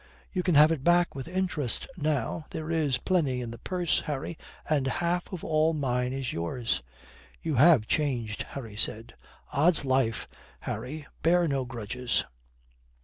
"You can have it back with interest now. There is plenty in the purse, Harry, and half of all mine is yours." "You have changed," Harry said. "Odds life, Harry, bear no grudges.